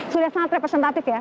sudah sangat representatif ya